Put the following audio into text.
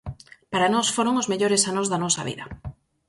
Para nós foron os mellores anos da nosa vida.